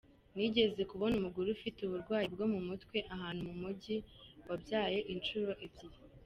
Nigeze kubona umugore ufite uburwayi bwo mu mutwe ahantu mujyi wabyaye inshuro ebyiri.